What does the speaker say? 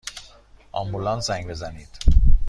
آمبولانس زنگ بزنید!